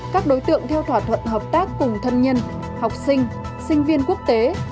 các đối tượng theo thỏa thuận hợp tác cùng thân nhân học sinh sinh viên quốc tế